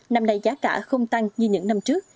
năm nay giá cả không tăng như những năm trước